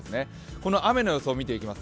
この雨の予想を見ていきます。